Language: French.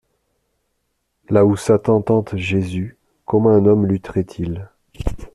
Là ou Satan tente Jésus, comment un homme lutterait-il?